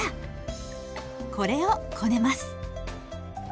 これをこねます。